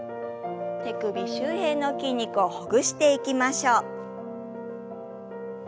手首周辺の筋肉をほぐしていきましょう。